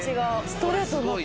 ストレートになった。